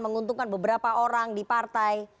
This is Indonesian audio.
menguntungkan beberapa orang di partai